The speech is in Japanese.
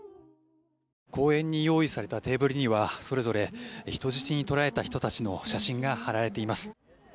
公園に用意されたテーブルにはそれぞれ人質にとられた人たちの写真が貼られています。